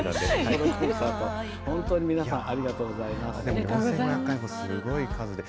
本当に皆さん、ありがとうごおめでとうございます。